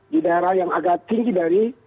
di daerah yang agak tinggi dari